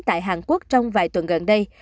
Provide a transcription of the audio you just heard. tại hàn quốc trong vài tuần gần đây